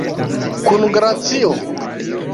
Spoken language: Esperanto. Kun glacio?